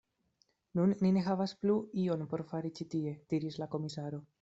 Nun ni ne havas plu ion por fari ĉi tie, diris la komisaro.